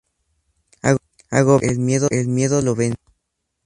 Agobiado, el miedo lo vence.